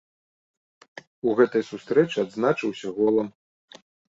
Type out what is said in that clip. У гэтай сустрэчы адзначыўся голам.